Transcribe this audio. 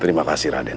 terima kasih raden